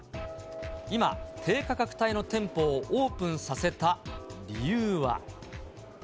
今、低価格帯の店舗をオープンさせた理由は。